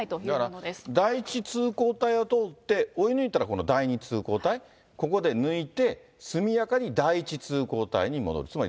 だから第１通行帯を通って、追い抜いたらこの第２通行帯、ここで抜いて、速やかに第１通行帯に戻る。